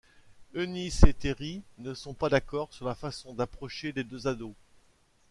Eunice et Teri ne sont pas d’accord sur la façon d’approcher les deux ados.